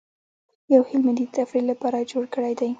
یو هلمندي د تفریح لپاره جوړ کړی دی.